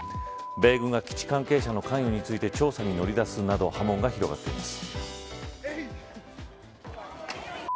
米軍は基地関係者の関与について調査に乗り出すなど波紋が広がっています。